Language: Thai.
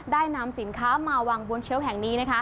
ได้นำสินค้ามาวางบนเชลล์แห่งนี้